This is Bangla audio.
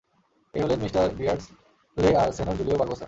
এই হলেন মিস্টার বিয়ার্ডসলে আর সেনর জুলিও বারবোসা।